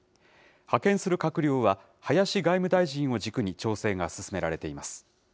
派遣する閣僚は、林外務大臣を軸に調整が進められています。